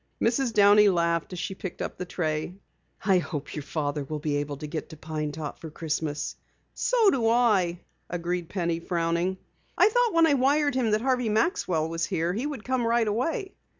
Mrs. Downey laughed as she picked up the tray. "I hope your father will be able to get to Pine Top for Christmas." "So do I," agreed Penny, frowning. "I thought when I wired him that Harvey Maxwell was here he would come right away."